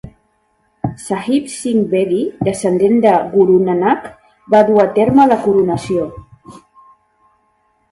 Sahib Singh Bedi, descendent de Guru Nanak, va dur a terme la coronació.